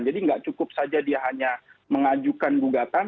jadi nggak cukup saja dia hanya mengajukan gugatan